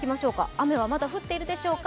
雨はまだ降っているでしょうか。